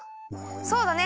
そうだね！